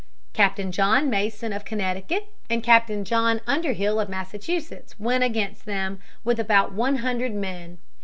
Captain John Mason of Connecticut and Captain John Underhill of Massachusetts went against them with about one hundred men.